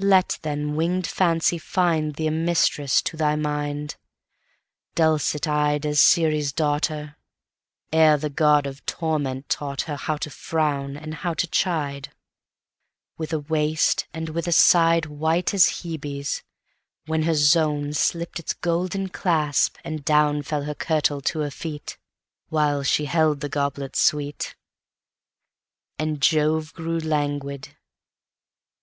Let, then, winged Fancy findThee a mistress to thy mind:Dulcet eyed as Ceres' daughter, Ere the God of Torment taught herHow to frown and how to chide; With a waist and with a sideWhite as Hebe's, when her zoneSlipt its golden clasp, and downFell her kirtle to her feet, While she held the goblet sweet, And Jove grew languid.